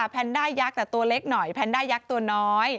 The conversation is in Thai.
แนนด้ายักษ์แต่ตัวเล็กหน่อยแพนด้ายักษ์ตัวน้อย